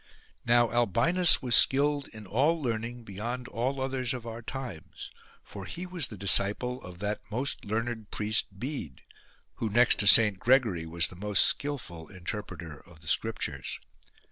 Now Albinus was skilled in all learn ing beyond all others of our times, for he was the disciple of that most learned priest Bede, who next to Saint Gregory was the most skilful interpreter of the scriptures.